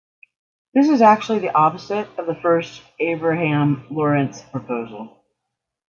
This is actually the opposite of the first Abraham-Lorentz proposal.